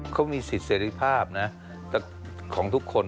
เขามีสิทธิเสร็จภาพนะของทุกคน